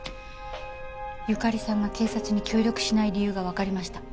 由香利さんが警察に協力しない理由がわかりました。